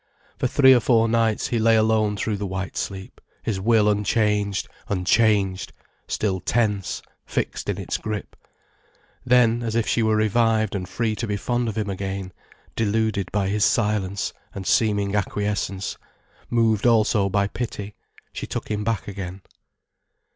For three or four nights he lay alone through the white sleep, his will unchanged, unchanged, still tense, fixed in its grip. Then, as if she were revived and free to be fond of him again, deluded by his silence and seeming acquiescence, moved also by pity, she took him back again.